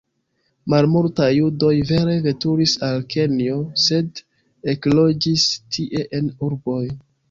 Malmultaj judoj vere veturis al Kenjo, sed ekloĝis tie en urboj.